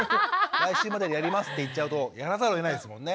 「来週までにやります」って言っちゃうとやらざるをえないですもんね。